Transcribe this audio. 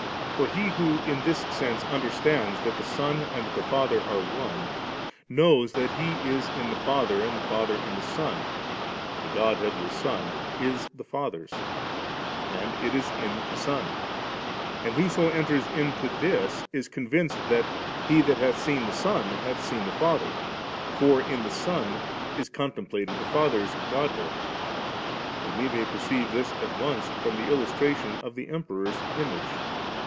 For he who in this sense understands that the Son and the Father are one, knows that He is in the Father and the Father in the Son ; for the Godhead of the Son is the Father's, and it is in the Son; and whqso enters into this, is convinced that *He that hath seen the Son, hath seen the Father;' for in the Son is con templated the Father's Godhead. And we may perceive this at once from the illustration of the Emperor's image.